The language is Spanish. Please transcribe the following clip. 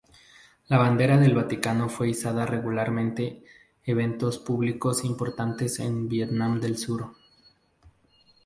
La bandera del Vaticano fue izada regularmente eventos públicos importantes en Vietnam del Sur.